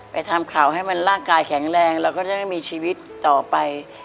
ทำข่าวให้มันร่างกายแข็งแรงแล้วก็จะไม่มีชีวิตต่อไป